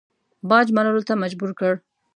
باج منلو ته مجبور کړ.